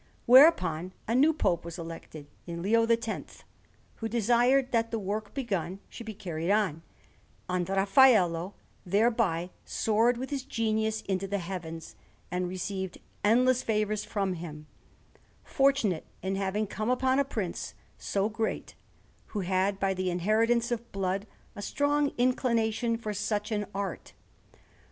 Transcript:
Whereupon a new Pope was elected in Leo X, who desired that the work begun should be carried on; and Raffaello thereby soared with his genius into the heavens, and received endless favours from him, fortunate in having come upon a Prince so great, who had by the inheritance of blood a strong inclination for such an art.